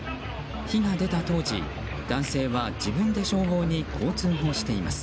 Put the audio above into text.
火が出た当時男性は自分で消防にこう通報しています。